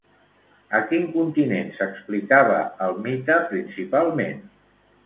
A quin continent s'explicava el mite principalment?